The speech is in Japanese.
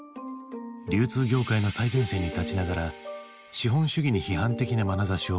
流通業界の最前線に立ちながら資本主義に批判的なまなざしを向ける堤。